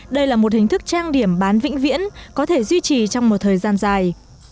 đây là một hình thức trang điểm bán vĩnh viễn có thể duy trì trong một thời gian dài